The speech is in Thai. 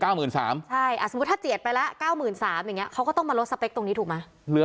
ใช่สมมุติถ้าเจียดไปแล้ว๙๓๐๐อย่างนี้เขาก็ต้องมาลดสเปคตรงนี้ถูกไหม